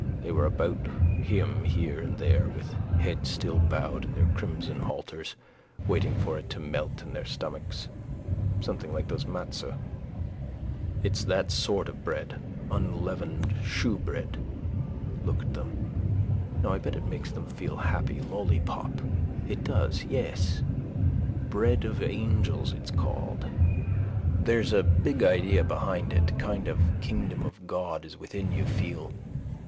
They were about him here and there, with heads still bowed in their crimson halters, waiting for it to melt in their stomachs. Something like those mazzoth: it's that sort of bread: unleavened shewbread. Look at them. Now I bet it makes them feel happy. Lollipop. It does. Yes, bread of angels it's called. There's a big idea behind it, kind of kingdom of God is within you feel.